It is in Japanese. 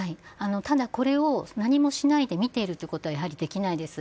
ただ、これを何もしないで見ているということはやはりできないです。